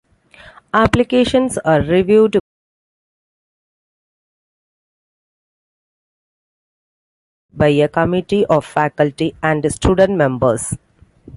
Applications are reviewed by a committee of faculty and student members.